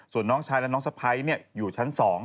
ส่วนน้องชายและน้องสะพ้ายอยู่ชั้น๒